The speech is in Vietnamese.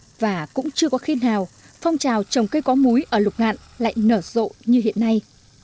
năm nay và cũng chưa có khi nào phong trào trồng cây có múi ở lục ngạn lại nở rộ như hiện nay